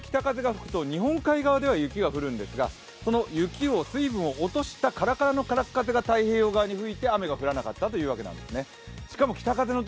冬、北風が吹くと日本海側では雪が降るんですが、その雪を水分を落としたカラカラの太平洋側の風が吹いて雨が降らなかったということなんですね。